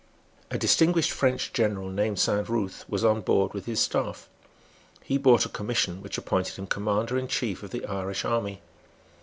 A distinguished French general, named Saint Ruth, was on board with his staff. He brought a commission which appointed him commander in chief of the Irish army.